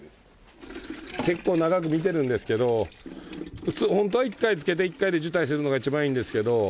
結構長く見てるんですけど本当は一回つけて一回で受胎するのが一番いいんですけど。